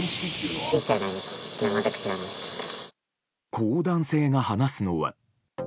こう男性が話すのは。